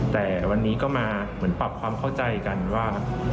แต่วันนี้ก็มาเหมือนปรับความเข้าใจกันว่า